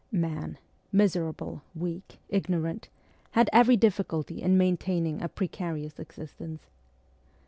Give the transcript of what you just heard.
Man miserable, weak, ignorant had every difficulty in maintaining a precarious existence.